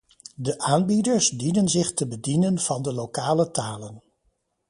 De aanbieders dienen zich te bedienen van de lokale talen.